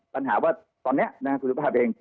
ปัญหาว่าตอนเนี่ยนางธุรกิจภาพเอง